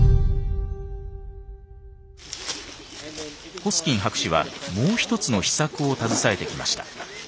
ホスキン博士はもう一つの秘策を携えてきました。